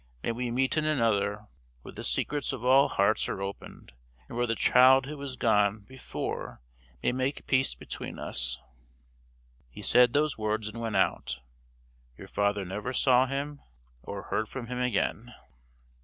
May we meet in another, where the secrets of all hearts are opened, and where the child who is gone before may make peace between us!' He said those words and went out. Your father never saw him or heard from him again."